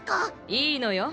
いいのよ。